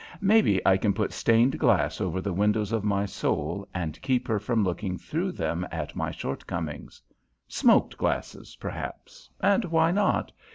Maybe I can put stained glass over the windows of my soul, and keep her from looking through them at my shortcomings. Smoked glasses, perhaps and why not?